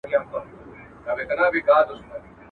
فرشتې سوې په لعنت ویلو ستړي!